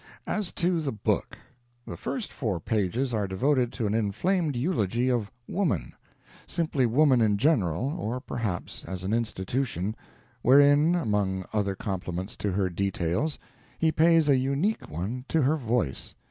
As to the book. The first four pages are devoted to an inflamed eulogy of Woman simply Woman in general, or perhaps as an Institution wherein, among other compliments to her details, he pays a unique one to her voice.